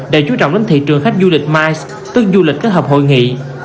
đã chú trọng đến thị trường khách du lịch mice tức du lịch kết hợp hội nghị